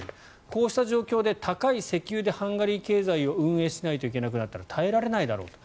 こうした状況で高い石油でハンガリー経済を運営しないといけなくなったら耐えられないだろうと。